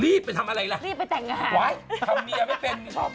ลีบไปทำอะไรแล้ว